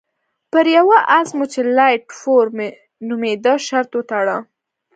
پر یوه اس مو چې لایټ فور مي نومېده شرط وتاړه.